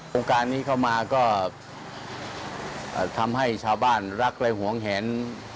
โครงการนี้เข้ามาก็ทำให้ชาวบ้านรักและหวงแหน